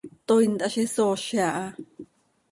Toii nt hazi soozi aha.